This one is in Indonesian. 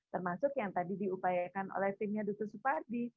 termasuk yang tadi diupayakan oleh timnya dr supardi